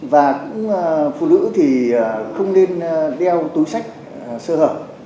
và cũng phụ nữ thì không nên đeo túi sách sơ hở